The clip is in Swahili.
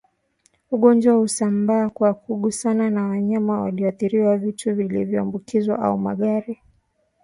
ugonjwa husambaa kwa kugusana na wanyama walioathirika vitu vilivyoambukizwa au magari